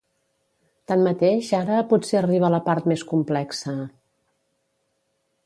Tanmateix ara potser arriba la part més complexa….